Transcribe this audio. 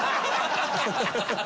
ハハハハ！